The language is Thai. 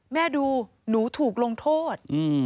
ดูหนูถูกลงโทษ